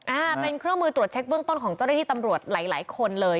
อ่าเป็นเครื่องมือตรวจเช็คเบื้องต้นของเจ้าหน้าที่ตำรวจหลายหลายคนเลย